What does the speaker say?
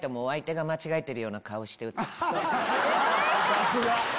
さすが！